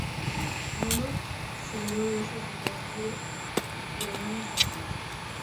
Podemos celebrou hoxe o seu Consello Cidadán Estatal.